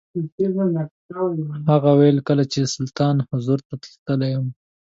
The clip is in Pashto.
هغه وویل کله چې سلطان حضور ته تللم.